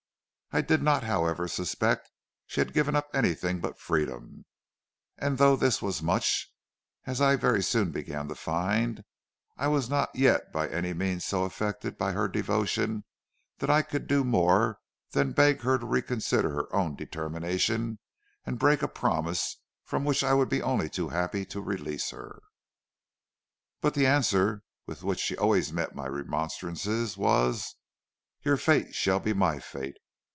I did not, however suspect she had given up anything but freedom, and though this was much, as I very soon began to find, I was not yet by any means so affected by her devotion, that I could do more than beg her to reconsider her own determination and break a promise from which I would be only too happy to release her. "But the answer with which she always met my remonstrances was, 'Your fate shall be my fate.